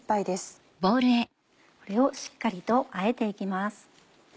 これをしっかりとあえて行きます。